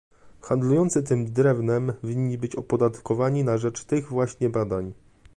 Handlujący tym drewnem winni być opodatkowywani na rzecz tych właśnie badań